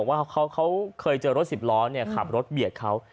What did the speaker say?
เขาบอกว่าเขาเคยเจอรถสิบล้อเนี่ยขับรถเบียดเขา